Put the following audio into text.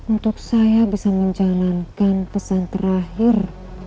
untuk saya bisa menjalankan pesan terakhir